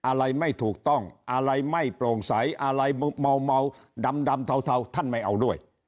อะไรไม่ถูกต้องอะไรไม่โปร่งใสอะไรเมาดำเทาท่านไม่เอาด้วย